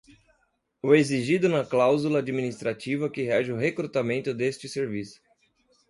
O exigido na cláusula administrativa que rege o recrutamento deste serviço.